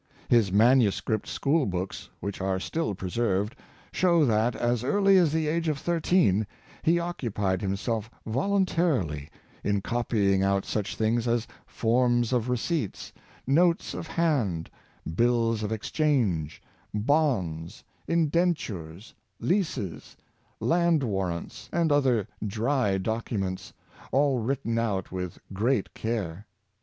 160 Literature and Btisiness, His manuscript school books, which are still preserved, show that, as early as the age of thirteen, he occupied himself voluntarily in copying out such things as forms of receipts, notes of hand, bills of exchange, bonds, in dentures, leases, land warrants, and other dry docu ments, all written out with great care.